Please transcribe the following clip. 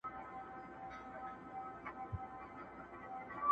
سمدلاسه خلګ راسي د ده لور ته،